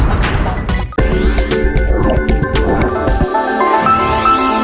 โปรดติดตามตอนต่อไป